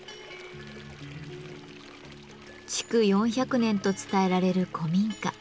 築４００年と伝えられる古民家。